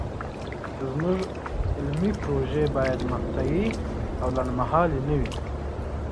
زموږ علمي پروژې باید مقطعي او لنډمهالې نه وي.